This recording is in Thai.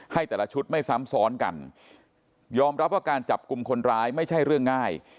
แต่ละชุดไม่ซ้ำซ้อนกันยอมรับว่าการจับกลุ่มคนร้ายไม่ใช่เรื่องง่าย